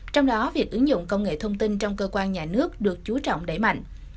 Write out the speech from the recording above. trong đó việc ứng dụng công nghệ thông tin trong cơ quan nhà nước được chú trọng đẩy mạnh